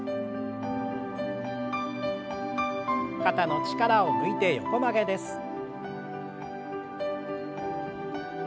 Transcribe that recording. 肩の力を抜いて横曲げです。